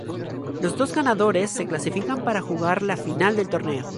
Los dos ganadores se clasifican para jugar la Final del Torneo.